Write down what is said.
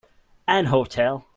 An hotel.